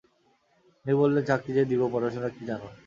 উনি বললেন, চাকরি যে দিব, পড়াশোনা কী জানো?